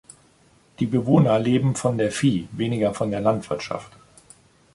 Die Bewohner leben von der Vieh-, weniger von der Landwirtschaft.